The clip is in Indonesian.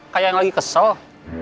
kayak yang lagi kesel